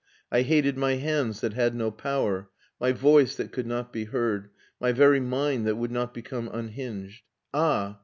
I hated my hands that had no power, my voice that could not be heard, my very mind that would not become unhinged. Ah!